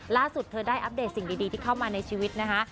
ล่าสุดเธอได้อัปเดตสิ่งดีที่เข้ามาในชีวิตนะคะ